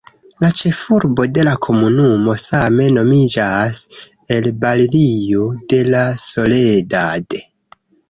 La ĉefurbo de la komunumo same nomiĝas "El Barrio de la Soledad".